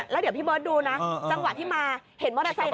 แล้วเดี๋ยวพี่เบิร์ตดูนะจังหวะที่มาเห็นมอเตอร์ไซค์